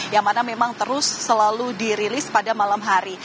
yang mana memang terus selalu dirilis pada malam hari